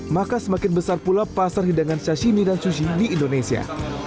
maka semakin besar pula pasar hidangan sashimi dan sushi di indonesia